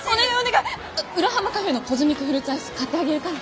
浦浜カフェのコズミックフルーツアイス買ってあげるから。